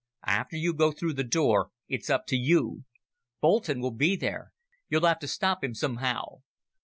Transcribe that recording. "After you go through the door, it's up to you. Boulton will be there. You'll have to stop him, somehow.